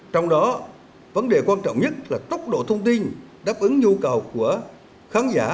trong đó vấn đề quan trọng nhất là tốc độ thông tin đáp ứng nhu cầu của khán giả